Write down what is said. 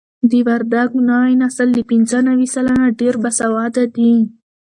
د وردګو نوی نسل له پنځه نوي سلنه ډېر باسواده دي.